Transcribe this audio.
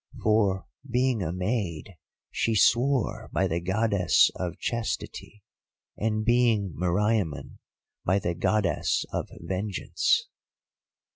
For, being a maid, she swore by the Goddess of Chastity, and being Meriamun, by the Goddess of Vengeance.